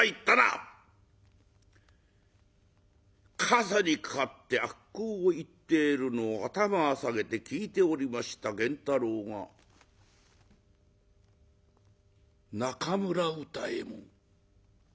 かさにかかって悪口を言っているのを頭を下げて聞いておりました源太郎が「中村歌右衛門。